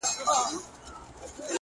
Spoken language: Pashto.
• ورته اور هم پاچهي هم یې وطن سو,